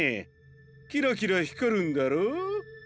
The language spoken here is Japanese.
キラキラひかるんだろう。